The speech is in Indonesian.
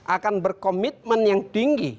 akan berkomitmen yang tinggi